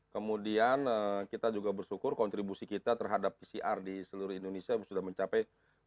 kemudian kita juga bersyukur kontribusi kita terhadap pcr di seluruh indonesia sudah mencapai dua puluh lima sembilan